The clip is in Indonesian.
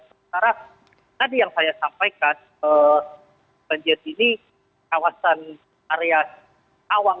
sementara tadi yang saya sampaikan banjir ini kawasan area awang